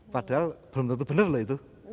padahal belum tentu benar loh itu